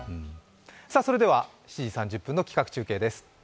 さあそれでは７時３０分の企画中継です。